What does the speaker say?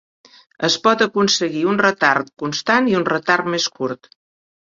Es pot aconseguir un retard constant i un retard més curt.